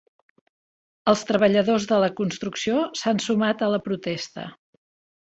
Els treballadors de la construcció s'han sumat a la protesta.